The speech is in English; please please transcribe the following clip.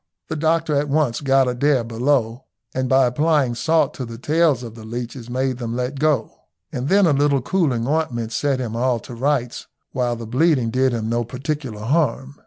The doctor at once got Adair below, and by applying salt to the tails of the leeches made them let go. And then a little cooling ointment set him all to rights, while the bleeding did him no particular harm.